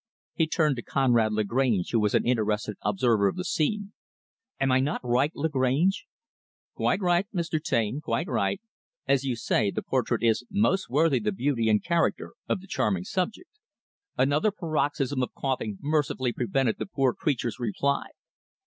He turned to Conrad Lagrange who was an interested observer of the scene "Am I not right, Lagrange?" "Quite right, Mr. Taine, quite right. As you say, the portrait is most worthy the beauty and character of the charming subject." Another paroxysm of coughing mercifully prevented the poor creature's reply.